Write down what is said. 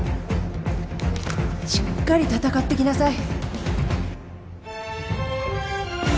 しっかり戦ってきなさい。